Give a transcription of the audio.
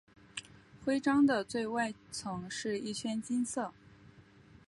徽章的最外层是一圈金色。